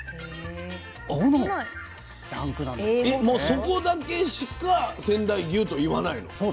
もうそこだけしか仙台牛と言わないの？